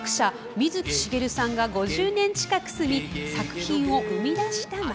水木しげるさんが５０年近く住み作品を生み出した町。